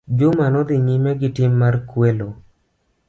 Juma nodhi nyime gitim mar kwelo.